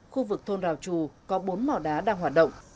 khu vực thôn rào trù có bốn mỏ đá đang hoạt động